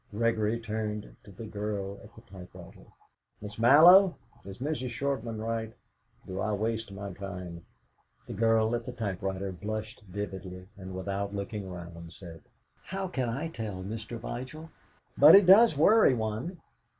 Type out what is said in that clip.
Gregory turned to the girl at the typewriter. "Miss Mallow, is Mrs. Shortman right? do I waste my time?" The girl at the typewriter blushed vividly, and, without looking round, said: "How can I tell, Mr. Vigil? But it does worry one."